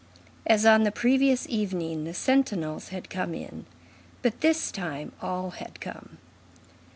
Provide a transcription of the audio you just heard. As on the previous evening, the sentinels had come in; but this time all had come.